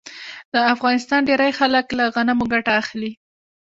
د افغانستان ډیری خلک له غنمو ګټه اخلي.